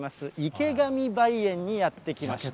池上梅園にやって来ました。